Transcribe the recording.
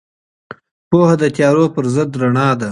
پوهه د تیارو پر ضد رڼا ده.